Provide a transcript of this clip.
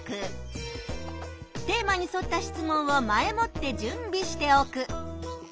テーマにそった質問を前もって準備しておく。